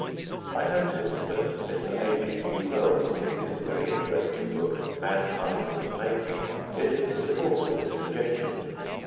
I notice that Mr. H. G. Wells, in his very interesting book, Mankind in the Making, is in support of this suggestion.